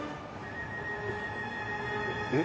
「えっ？」